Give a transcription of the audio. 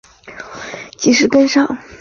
检察办案要及时跟上